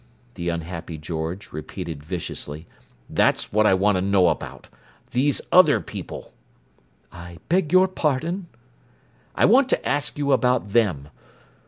the unhappy George repeated viciously. "That's what I want to know about—these other people!" "I beg your pardon." "I want to ask you about them.